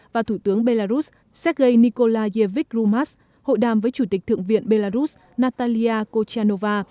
và thủ tướng belarus sergei nikolayevich rumas hội đàm với chủ tịch thượng viện belarus natalia kochanova